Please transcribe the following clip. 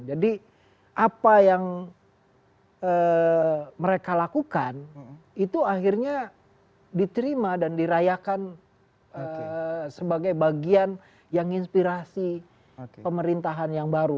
jadi apa yang mereka lakukan itu akhirnya diterima dan dirayakan sebagai bagian yang inspirasi pemerintahan yang baru